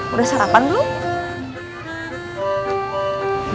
udah sarapan belum